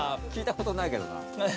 聞いたことないけどな。